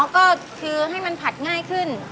ก็คือให้มันผัดง่ายขึ้น